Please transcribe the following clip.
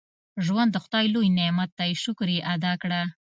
• ژوند د خدای لوی نعمت دی، شکر یې ادا کړه.